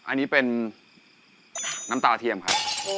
อันนี้เป็นน้ำตาเทียมครับ